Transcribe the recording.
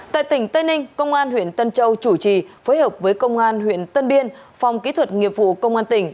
tại tỉnh tây ninh công an huyện tân châu chủ trì phối hợp với công an huyện tân biên phòng kỹ thuật nghiệp vụ công an tỉnh